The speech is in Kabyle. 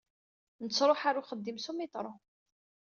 Nettṛuḥu ɣer axeddim s umiṭru.